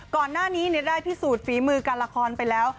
ก่อนหน้านี้ได้พิสูจน์ฝีมือการละครไปแล้ว